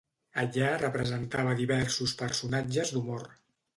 Allà representava diversos personatges d'humor.